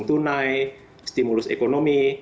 langsung tunai stimulus ekonomi